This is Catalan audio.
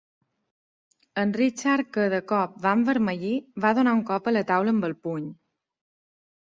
En Richard que, de cop, va envermellir, va donar un cop a la taula amb el puny.